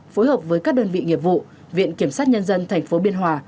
phối hợp với các đơn vị nghiệp vụ viện kiểm sát nhân dân tp bih